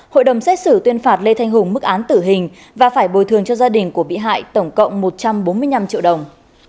hội đồng xét xử tuyên phạt lê thanh hùng mức án tử hình và phải bồi thường cho gia đình của bị hại tổng cộng một trăm bốn mươi năm triệu đồng